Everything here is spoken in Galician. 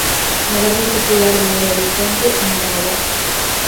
No barrio popular de El Horizonte, en Managua.